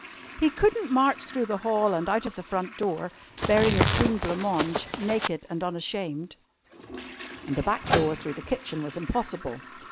He couldn't march through the hall and out of the front door, bearing a cream blanc mange, naked and unashamed. And the back door through the kitchen was impossible.